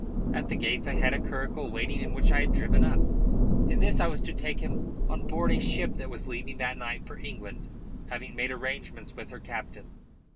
At the gates I had the curricle waiting in which I had driven up. In this I was to have taken him on board a ship that was leaving that night for England, having made arrangements with her captain.